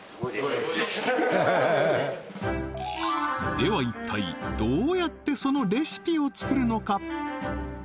では一体どうやってそのレシピを作るのか？